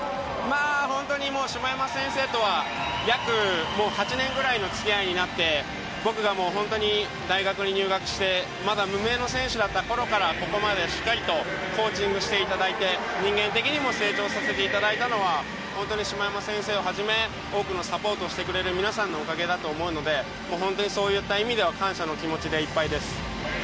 本当に、下山先生とは約８年ぐらいの付き合いになって僕が本当に大学に入学してまだ無名の選手だったころからここまで、しっかりとコーチングしていただいて人間的にも成長させていただいたのは本当に下山先生をはじめ多くのサポートをしてくれる皆さんのおかげだと思うので本当に、そういった意味では感謝の気持ちでいっぱいです。